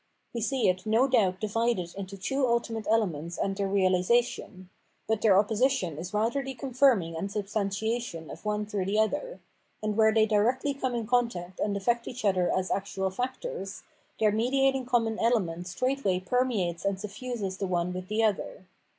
We see it no doubt divided into two ultimate elements and their reahsation : but their opposition is rather the confirming and substantiation of one through the other ; and where they directly come in contact and affect each other as actual factors, their mediating common element straightway permeates and suffuses the one with the * The reference here is to Orestes. 458 Phenomenology of Mind other.